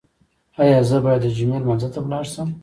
ایا زه باید د جمعې لمانځه ته لاړ شم؟